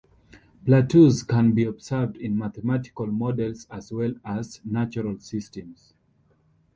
Plateaus can be observed in mathematical models as well as natural systems.